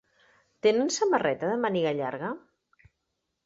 Tenen samarreta de màniga llarga?